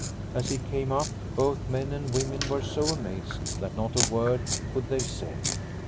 As he came up both men and women were so amazed that not a word could they say.